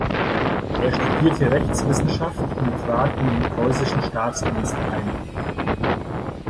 Er studierte Rechtswissenschaft und trat in den preußischen Staatsdienst ein.